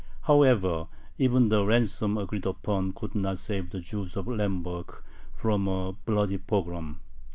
However, even the ransom agreed upon could not save the Jews of Lemberg from a bloody pogrom.